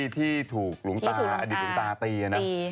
ที่ถูกหลุงตาอดิตหลุงตาตี